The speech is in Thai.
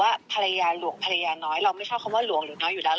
อะไรอย่างนี้ค่ะก็แค่ฝาดขู่ลอย